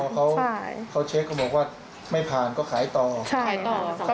พอเขาเช็คก็บอกว่าไม่ผ่านก็ขายต่อใช่ต่อสองแสนห้า